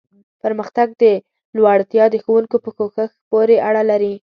پرمختګ او لوړتیا د ښوونکو په کوښښ پورې اړه لري.